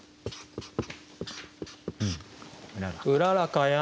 「うららかや」。